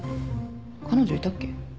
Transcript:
彼女いたっけ？